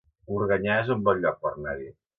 Organyà es un bon lloc per anar-hi